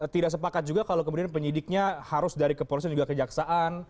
tidak sepakat juga kalau kemudian penyidiknya harus dari kepolisian juga kejaksaan